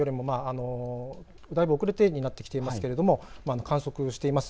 時刻よりもだいぶ遅れてにはなってきていますが観測しています。